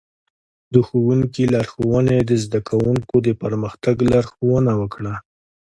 د ښوونکي لارښوونې د زده کوونکو د پرمختګ لارښوونه وکړه.